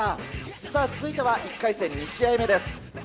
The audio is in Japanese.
さあ、続いては１回戦２試合目です。